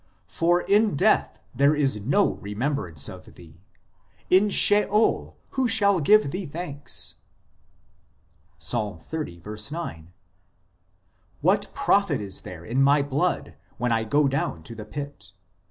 For in death there is no remem brance of thee ; in Sheol who shall give thee thanks ?" Ps. xxx. 9 (10 in Hebr.) : "What profit is there in my blood, when I go down to the pit